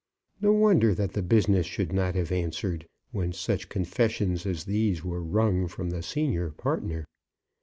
No wonder that the business should not have answered, when such confessions as these were wrung from the senior partner!